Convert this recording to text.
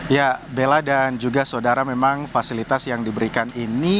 ya bella dan juga saudara memang fasilitas yang diberikan ini